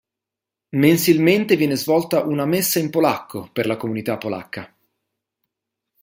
Mensilmente viene svolta una messa in polacco per la comunità polacca.